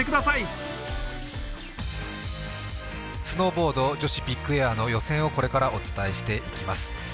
スノーボード女子ビッグエアの予選をこれからお伝えしていきます。